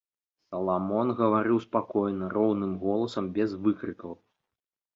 Саламон гаварыў спакойна, роўным голасам, без выкрыкаў.